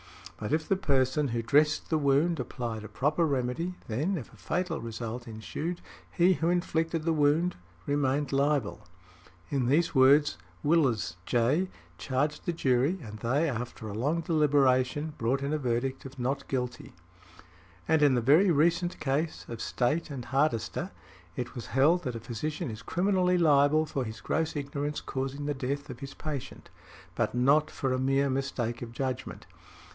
But, if the person who dressed the wound applied a proper remedy, then, if a fatal result ensued, he who inflicted the wound remained liable." In these words Willes, J., charged the jury, and they, after a long deliberation, brought in a verdict of "not guilty" . And in the very recent case of State v. Hardister , it was held that a physician is criminally liable for his gross ignorance causing the death of his patient, but not for a mere mistake of judgment.